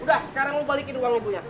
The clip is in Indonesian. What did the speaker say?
udah sekarang mau balikin uang ibunya